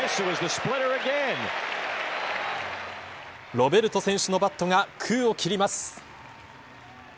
ロベルト選手のバットが空を切ります。